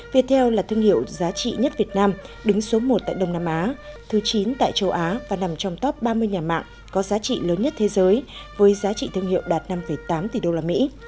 viettel là thương hiệu giá trị nhất việt nam đứng số một tại đông nam á thứ chín tại châu á và nằm trong top ba mươi nhà mạng có giá trị lớn nhất thế giới với giá trị thương hiệu đạt năm tám tỷ đô la mỹ